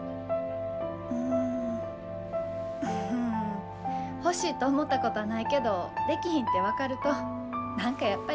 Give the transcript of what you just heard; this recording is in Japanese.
うん欲しいと思ったことはないけどできひんって分かると何かやっぱりさみしいわ。